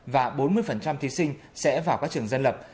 và bốn mươi thí sinh sẽ vào các trường dân lập